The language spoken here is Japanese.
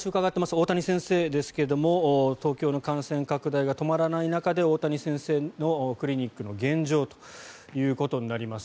大谷先生ですが東京の感染拡大が止まらない中で大谷先生のクリニックの現状ということになります。